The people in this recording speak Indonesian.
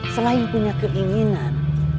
selain punya keinginan